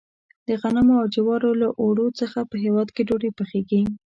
د غنمو او جوارو له اوړو څخه په هیواد کې ډوډۍ پخیږي.